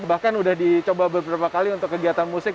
bahkan sudah dicoba beberapa kali untuk kegiatan musik